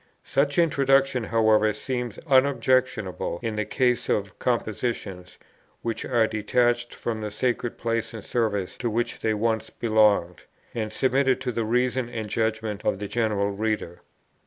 Such introduction, however, seems unobjectionable in the case of compositions, which are detached from the sacred place and service to which they once belonged, and submitted to the reason and judgment of the general reader."